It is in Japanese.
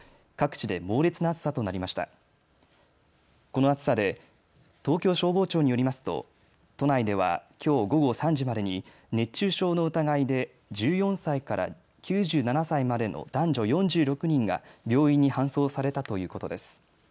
この暑さで東京消防庁によりますと都内ではきょう午後３時までに熱中症の疑いで１４歳から９７歳までの男女４６人が病院に搬送されたということです。